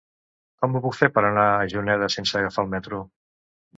Com ho puc fer per anar a Juneda sense agafar el metro?